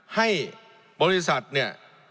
ให้บริษัทเนี่ย